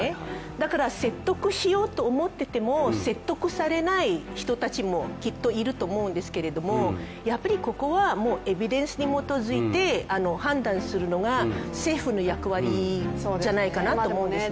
だから説得しようと思ってても説得されない人たちもきっといると思うんですけれどもここはやっぱりエビデンスに基づいて判断するのが政府の役割じゃないかなと思うんですね。